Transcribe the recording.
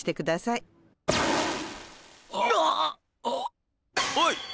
おい！